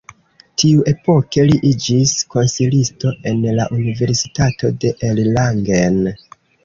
Tiuepoke li iĝis konsilisto en la Universitato de Erlangen.